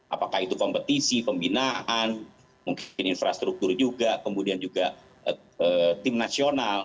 apakah itu kompetisi pembinaan mungkin infrastruktur juga kemudian juga tim nasional